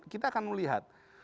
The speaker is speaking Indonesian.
kita akan melihat